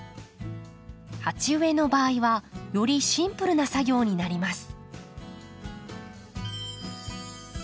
鉢植えの場合はよりシンプルな作業になります。